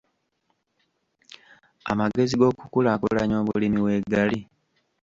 Amagezi g’okukulaakulanya obulimi weegali.